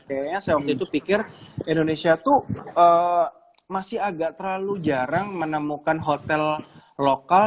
kayaknya saya waktu itu pikir indonesia tuh masih agak terlalu jarang menemukan hotel lokal